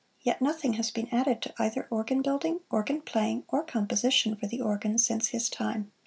Yet nothing has been added to either organ building, organ playing or composition for the organ since his time.